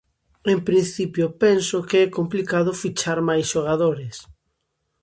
En principio penso que é complicado fichar máis xogadores.